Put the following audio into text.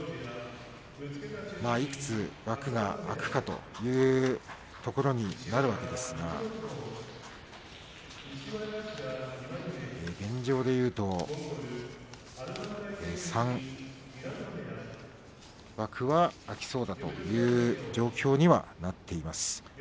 いくつ枠が空くかというところになるわけですが現状でいうと３枠は空きそうだという状況にはなっています。